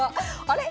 あれ？